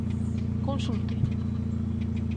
Consulte.